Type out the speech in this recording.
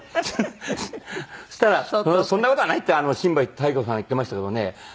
そしたら「そんな事はない」って新橋耐子さんが言ってましたけどね。